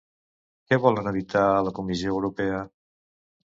Què volen evitar a la Comissió Europea?